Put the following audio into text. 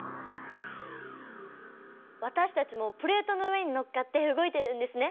私たちもプレートの上に載っかって動いてるんですね。